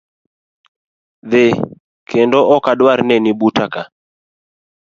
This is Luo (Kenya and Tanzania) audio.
Dhi kendo okadwar neni buta ka.